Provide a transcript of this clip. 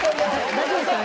大丈夫ですかね？